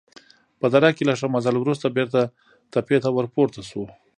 په دره کې له ښه مزل وروسته بېرته تپې ته ورپورته شوو.